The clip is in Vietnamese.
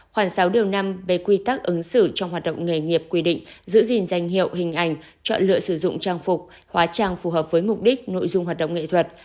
khoảng sáu điều năm về quy tắc ứng xử trong hoạt động nghề nghiệp quy định giữ gìn danh hiệu hình ảnh chọn lựa sử dụng trang phục hóa trang phù hợp với mục đích nội dung hoạt động nghệ thuật